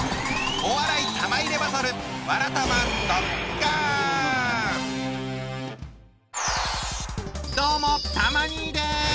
お笑い玉入れバトルどうもたま兄です。